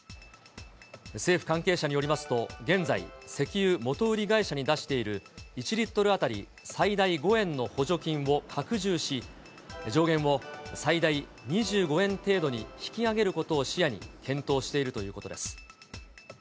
政府関係者によりますと、現在、石油元売り会社に出している１リットル当たり最大５円の補助金を拡充し、上限を最大２５円程度に引き上げることを視野に検討しているということです。